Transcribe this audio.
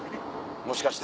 もしかして？